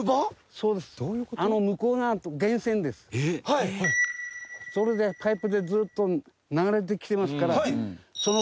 それでパイプでずっと流れてきてますから。